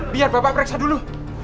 biar bapak periksa dulu